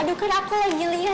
aduh kan aku lagi liat